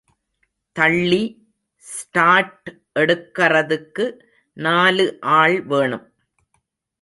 தள்ளி ஸ்டாட் எடுக்கறதுக்கு நாலு ஆள் வேணும்.